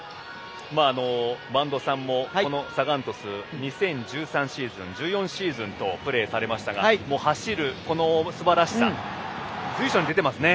播戸さんもこのサガン鳥栖２０１３シーズン１４シーズンとプレーされましたが走るすばらしさが随所に出てますね。